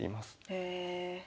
へえ。